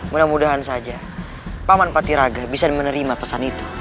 mudah mudahan saja paman patiraga bisa menerima pesan itu